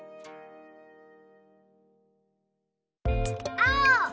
あお！